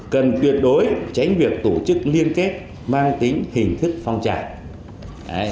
cần tuyệt đối tránh việc tổ chức liên kết mang tính hình thức phong trào